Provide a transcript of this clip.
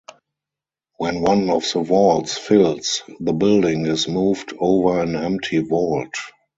When one of the vaults fills, the building is moved over an empty vault.